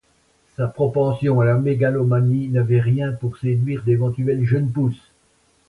Sa propension à la mégalomanie n’avait rien pour séduire d’éventuelles jeunes pousses.